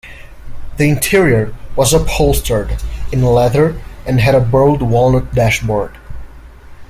The interior was upholstered in leather and had a burled walnut dashboard.